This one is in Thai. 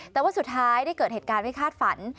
แต่ว่าสุดท้ายได้เกิดเหตุการณ์ไม่คาดฝัน